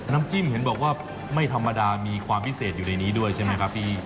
น้ำจิ้มเห็นบอกว่าไม่ธรรมดามีความพิเศษอยู่ในนี้ด้วยใช่ไหมครับพี่